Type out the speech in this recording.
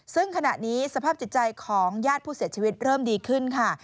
ซึ่งขณะนี้สภาพจิตใจของญาติผู้เสียชีวิตเริ่มดีขึ้นค่ะ